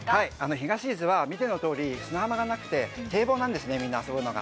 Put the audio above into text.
東伊豆は見てのとおり砂浜がなくて堤防なんですね、みんな遊ぶのが。